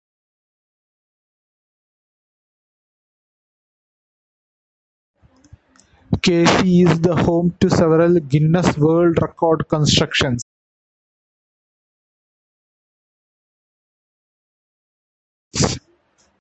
Casey is the home to several Guinness World Record constructions.